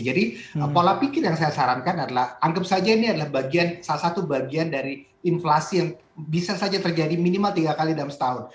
jadi pola pikir yang saya sarankan adalah anggap saja ini adalah bagian salah satu bagian dari inflasi yang bisa saja terjadi minimal tiga kali dalam setahun